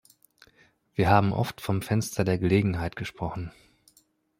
Wir haben oft vom Fenster der Gelegenheit gesprochen.